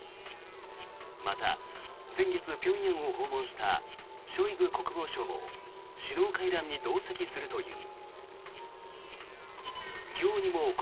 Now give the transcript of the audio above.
また、先月、平壌を訪問したショイグ国防相も首脳会談に同席するという。